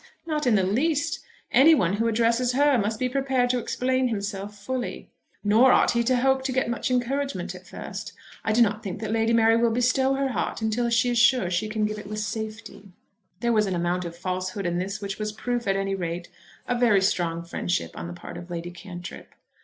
"Not in the least. Any one who addresses her must be prepared to explain himself fully. Nor ought he to hope to get much encouragement at first. I do not think that Lady Mary will bestow her heart till she is sure she can give it with safety." There was an amount of falsehood in this which was proof at any rate of very strong friendship on the part of Lady Cantrip.